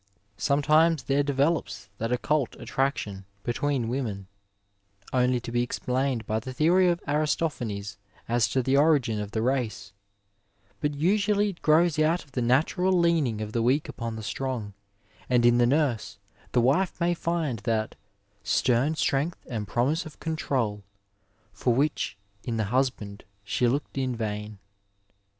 Sometimes there develops that occult attraction between women, only to be explained by the theory of Aristophanes as to the origin of the race ; but usually it grows out of the natural leaning of the weak upon the strong, and in the nurse the wife may find that ^' stem strength and pro mise of control " for which in the husband she looked in vain.